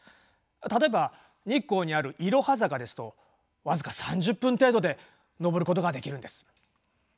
例えば日光にあるいろは坂ですと僅か３０分程度で上ることができるんです。